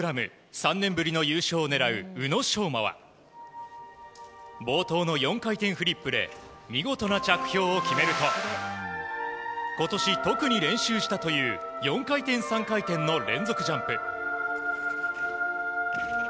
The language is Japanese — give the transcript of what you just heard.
３年ぶりの優勝を狙う宇野昌磨は冒頭の４回転フリップで見事な着氷を決めると今年特に練習したという４回転、３回転の連続ジャンプ。